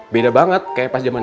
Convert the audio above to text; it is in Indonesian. beda banget kayak pas jaman sma